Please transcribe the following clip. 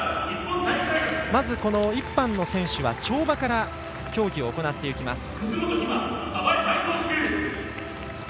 まず、この１班の選手は跳馬から競技を行っていきます。